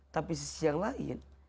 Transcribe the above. tapi sisi yang lain